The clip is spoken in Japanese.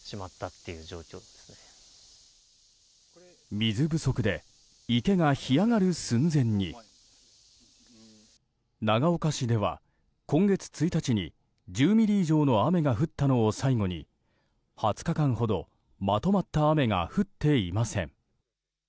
水不足で池が干上がる寸前に長岡市では、今月１日に１０ミリ以上の雨が降ったのを最後に２０日間ほどまとまった雨が降っていません。